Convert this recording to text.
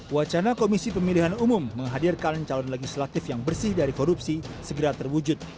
wacana komisi pemilihan umum menghadirkan calon legislatif yang bersih dari korupsi segera terwujud